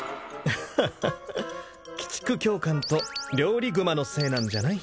フフフ鬼畜教官と料理熊のせいなんじゃない？